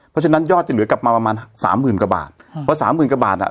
เพราะฉะนั้นยอดที่เหลือกลับมาประมาณสามหมื่นกว่าบาทอืมเพราะสามหมื่นกว่าบาทอ่ะ